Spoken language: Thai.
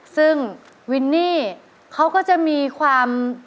ซึ่งวินนี่เขาก็จะมีความ